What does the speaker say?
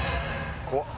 怖っ！